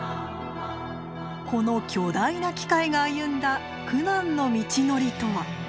この巨大な機械が歩んだ苦難の道のりとは。